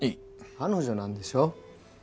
彼女なんでしょ？